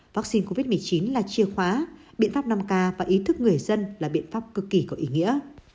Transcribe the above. vaccine covid một mươi chín là chìa khóa biện pháp năm k và ý thức người dân là biện pháp cực kỳ có ý nghĩa